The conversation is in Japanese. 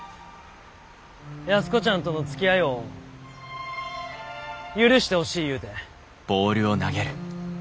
安子ちゃんとのつきあいを許してほしいいうて。